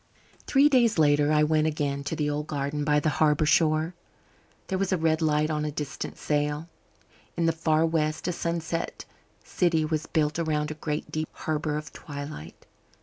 Three days later I went again to the old garden by the harbour shore. There was a red light on a distant sail. In the far west a sunset city was built around a great deep harbour of twilight.